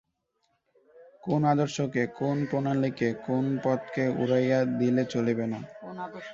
কোন আদর্শকে, কোন প্রণালীকে, কোন পথকে উড়াইয়া দিলে চলিবে না।